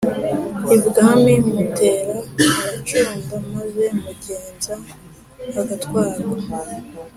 Ibwami mutera aracunda maze mugenza agatwarwa